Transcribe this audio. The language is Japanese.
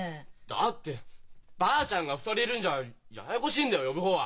だってばあちゃんが２人いるんじゃややこしいんだよ呼ぶ方は。